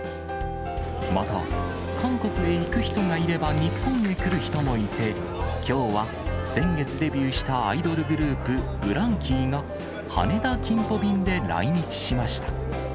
また韓国へ行く人がいれば、日本へ来る人もいて、きょうは先月デビューしたアイドルグループ、ブランキーが羽田・キンポ便で来日しました。